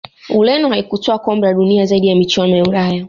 Ureno haikutwaa kombe la dunia zaidi ya michuano ya Ulaya